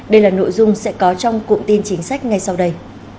đây là nội dung sẽ có trong cụm tin chính sách ngay sau đây